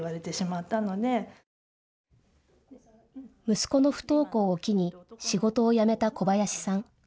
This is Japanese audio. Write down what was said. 息子の不登校を機に仕事を辞めた小林さん。